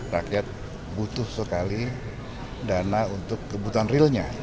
rakyat butuh sekali dana untuk kebutuhan realnya